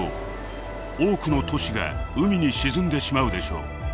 多くの都市が海に沈んでしまうでしょう。